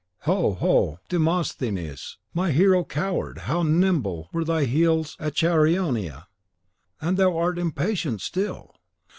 Ho, ho! Demosthenes, my hero coward, how nimble were thy heels at Chaeronea! And thou art impatient still!